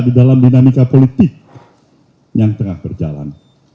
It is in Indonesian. di dalam dinamika politik yang tengah berjalan